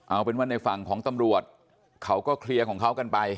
เอาเป็นว่าในฝั่งของตำรวจเขาก็เคลียร์ของเขากันไป